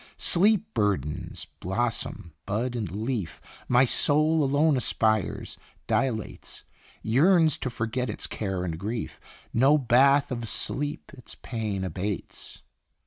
Sleep burdens blossom, bud, and leaf, My soul alone aspires, dilates, Yearns to forget its care and grief No bath of sleep its pain abates.